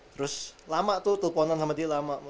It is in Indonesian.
terus lama tuh teleponan sama dia lama